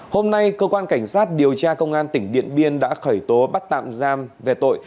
hôm nay cơ quan cảnh sát điều tra công an tỉnh điện biên đã khởi tố bắt tạm giam về tội